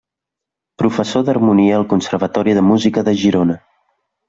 Professor d'harmonia al Conservatori de Música de Girona.